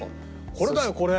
これだよこれ！